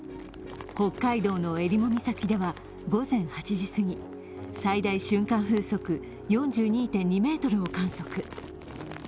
北海道のえりも岬では午前８時すぎ最大瞬間風速４２．２ｍを観測。